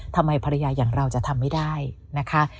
ทำไมภรรยาอย่างเราจะทำไม่ได้นะคะ